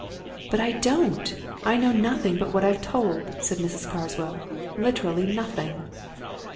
"But I don't I know nothing but what I've told," said Mrs. Carswell. "Literally nothing!"